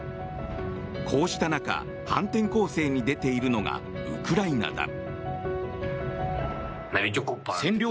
こうした中反転攻勢に出ているのがウクライナだ。